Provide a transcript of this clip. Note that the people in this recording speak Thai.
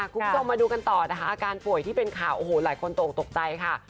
คุณผู้ชมมาดูกันต่อนะคะอาการป่วยที่เป็นข่าวโอ้โหหลายคนตกตกใจค่ะ